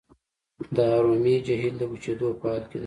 د ارومیې جهیل د وچیدو په حال کې دی.